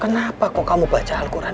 kenapa kok kamu baca al quran